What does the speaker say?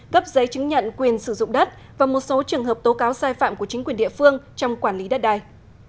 cấp giấy chứng nhận quyền sử dụng đất và một số trường hợp tố cáo sai phạm của chính quyền địa phương trong quản lý đất đai